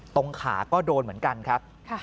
ตรงขาก็โดนเหมือนกันครับ